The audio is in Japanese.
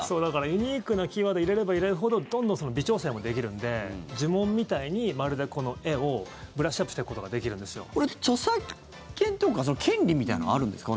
ユニークなキーワードを入れれば入れるほどどんどん微調整もできるので呪文みたいに、まるでこの絵をブラッシュアップしていくことができるんですよ。これって著作権とか権利みたいなのはあるんですか？